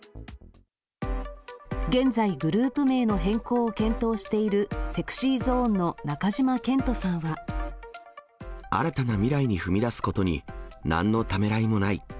現在、グループ名の変更を検討しているＳｅｘｙ新たな未来に踏み出すことに、なんのためらいもない。